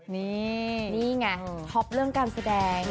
นี่นี่ไงท็อปเรื่องการแสดง